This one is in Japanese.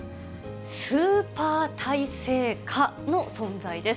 スーパー耐性蚊の存在です。